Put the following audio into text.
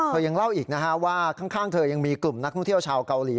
ยังเล่าอีกนะฮะว่าข้างเธอยังมีกลุ่มนักท่องเที่ยวชาวเกาหลี